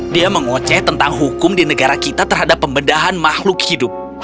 dia mengoceh tentang hukum di negara kita terhadap pembedahan makhluk hidup